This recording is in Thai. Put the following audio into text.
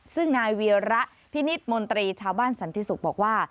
ซึ่งนายเวียระพินิษฐ์มนตรีชาวบ้านสันติศุกร์บอกว่า